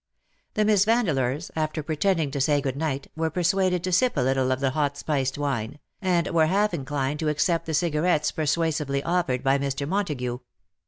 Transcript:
The Miss Vandeleurs, after pretending to say good night, were persuaded to sip a little of the hot spiced ^Tinc, and were half inclined to accept the cigarettes persuasively offered by Mr. Montagu ; 266 ^'WHO KNOWS NOT CIRCE?"